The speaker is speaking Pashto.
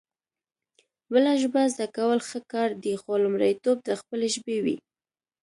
بله ژبه زده کول ښه کار دی خو لومړيتوب د خپلې ژبې وي